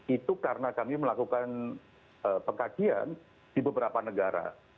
itu karena kami melakukan pengkajian di beberapa negara